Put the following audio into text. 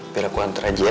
biar aku hantar aja ya